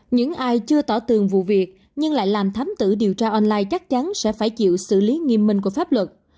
những ai chưa tỏ tường vụ việc nhưng lại làm thấm tử điều tra online chắc chắn sẽ phải chịu xử lý nghiêm minh của pháp luật